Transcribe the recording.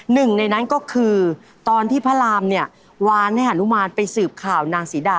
หนึ่งในนั้นก็คือตอนที่พระรามเนี่ยวางให้หานุมานไปสืบข่าวนางศรีดา